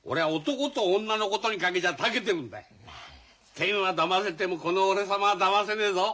天はだませてもこの俺様はだませねえぞ。